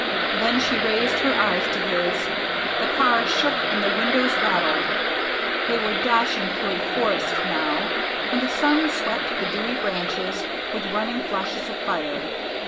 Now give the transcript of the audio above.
Then she raised her eyes to his. The car shook and the windows rattled. They were dashing through a forest now, and the sun swept the dewy branches with running flashes of fire.